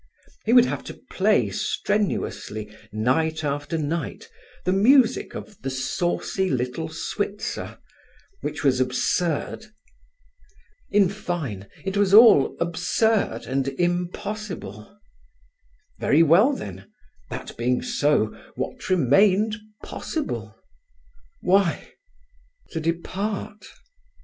He would have to play strenuously, night after night, the music of The Saucy Little Switzer which was absurd. In fine, it was all absurd and impossible. Very well, then, that being so, what remained possible? Why, to depart.